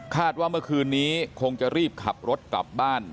ว่าเมื่อคืนนี้คงจะรีบขับรถกลับบ้าน